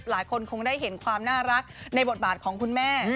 หลายคนคงได้เห็นความน่ารักในบทบาทของคุณแม่